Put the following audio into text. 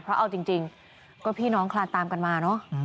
เพราะเอาจริงก็พี่น้องคลานตามกันมาเนอะ